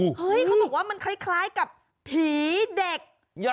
เขาบอกว่ามันคล้ายกับผีเด็ก